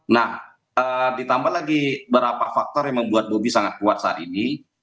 nah ditambah lagi beberapa faktor yang membuat bobi sangat kuat saat ini